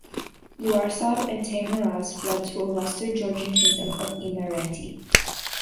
Luarsab and Teimuraz fled to a western Georgian Kingdom of Imereti.